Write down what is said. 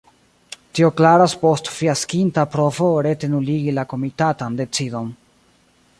Tio klaras post fiaskinta provo rete nuligi la komitatan decidon.